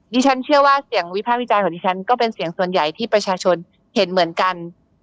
ฉันเชื่อว่าเสียงวิพากษ์วิจารณ์ของดิฉันก็เป็นเสียงส่วนใหญ่ที่ประชาชนเห็นเหมือนกัน